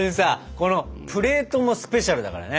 このプレートもスペシャルだからね。